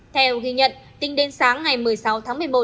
theo ghi nhận tính đến sáng ngày một mươi sáu tháng một mươi một